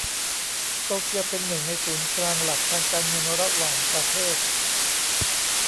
โตเกียวเป็น หนึ่ง ในศูนย์กลางหลักทางการเงินระหว่างประเทศ